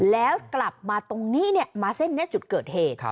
แล้วกลับมาตรงนี้มาเส้นนี้จุดเกิดเหตุ